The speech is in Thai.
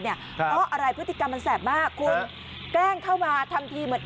เพราะอะไรพฤติกรรมมันแสบมากคุณแกล้งเข้ามาทำทีเหมือน